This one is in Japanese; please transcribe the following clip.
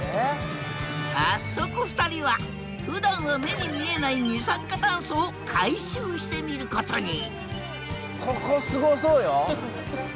早速２人はふだんは目に見えない二酸化炭素を回収してみることに！